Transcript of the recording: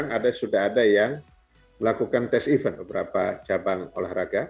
bahkan sekarang sudah ada yang melakukan test event beberapa cabang olahraga